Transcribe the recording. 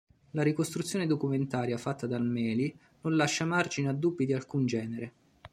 La ricostruzione documentaria fatta dal Meli non lascia margini a dubbi di alcun genere.